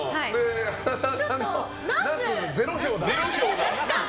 花澤さんのは０票だ。